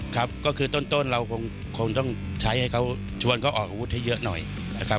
ครับก็คือต้นเราคงต้องใช้ให้เขาชวนเขาออกอาวุธให้เยอะหน่อยนะครับ